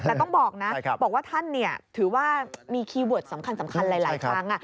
แต่ต้องบอกนะบอกว่าท่านถือว่ามีคีย์เวิร์ดสำคัญหลายครั้ง